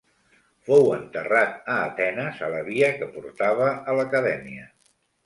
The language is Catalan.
Fou enterrat a Atenes a la via que portava a l'Acadèmia.